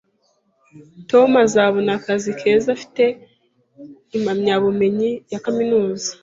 Tom azabona akazi keza afite impamyabumenyi ya kaminuza